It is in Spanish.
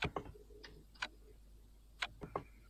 Lima recuperó su título al ganar por nocaut en la tercera ronda.